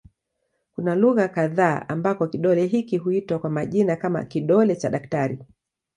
Kuna lugha kadha ambako kidole hiki huitwa kwa majina kama "kidole cha daktari".